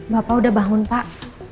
bapak udah bangun pak